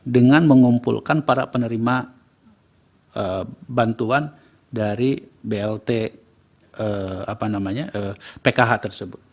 dengan mengumpulkan para penerima bantuan dari blt pkh tersebut